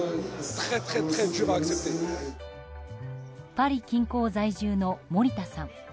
パリ近郊在住の森田さん。